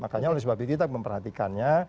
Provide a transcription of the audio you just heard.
makanya oleh sebab itu kita memperhatikannya